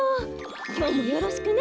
きょうもよろしくね。